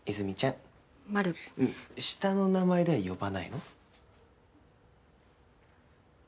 下の名前では呼ばないの？